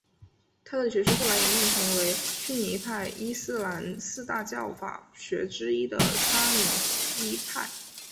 他的学说后来演变成为逊尼派伊斯兰四大教法学之一的沙斐仪派。